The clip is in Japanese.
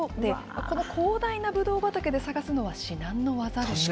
この広大なブドウ畑で探すのは至難の業です。